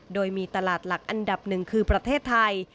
โดยมีตลาดหลักอันดับหนึ่งคือประเทศไทย